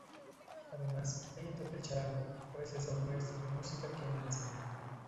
Además ella toca el charango, gracias a un maestro de música quien le enseñó.